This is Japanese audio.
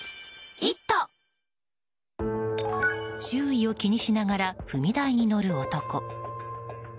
周囲を気にしながら踏み台に乗る男。